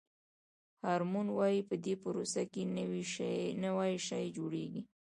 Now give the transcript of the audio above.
هارمون وایي په دې پروسه کې نوی شی جوړیږي.